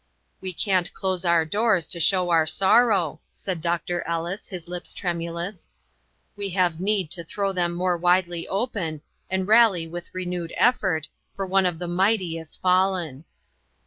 " We cannot close our doors to show our sorrow," said Doctor Ellis, his lips tremulous; "we have need to throw them more widely open, and rally with renewed effort, for one of the mighty is fallen."